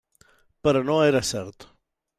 Però no era cert.